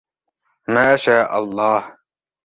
ما شاء الله!